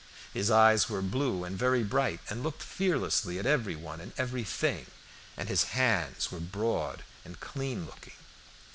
His eyes were blue and very bright, and looked fearlessly at every one and everything, and his hands were broad and clean looking.